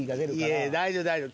いや大丈夫大丈夫。